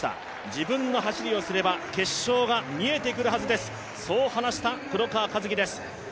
自分の走りをすれば決勝が見えてくるはずです、そう話した黒川和樹です。